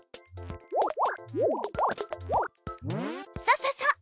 そうそうそう！